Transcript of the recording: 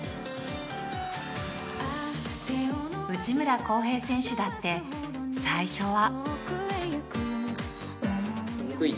「内村航平選手だって最初は」